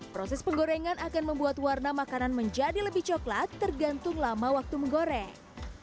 proses penggorengan akan membuat warna makanan menjadi lebih coklat tergantung lama waktu menggoreng